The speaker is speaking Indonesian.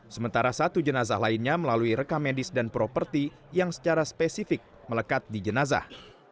sementara satu jenazah lainnya melalui rekamedis dan properti yang secara spesifik melekat di jenazah